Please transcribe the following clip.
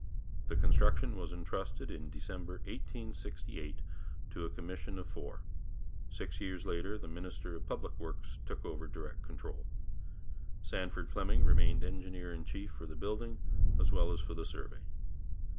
The construction was entrusted in December 1868 to a commission of four; six years later the minister of Public Works took over direct control. Sandford Fleming remained engineer in chief for the building as well as for the survey.